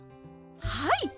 はい。